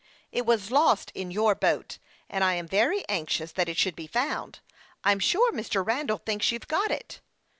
" It was lost in your boat, and I am very anxious that it should be found. I'm sure Mr. Randall thinks you've got it."